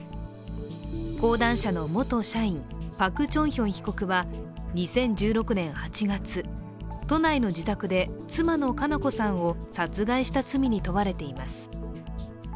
講談社の元社員、パク・チョンヒョン被告は２０１６年８月、都内の自宅で妻の佳菜子さんを殺害した罪に問われています。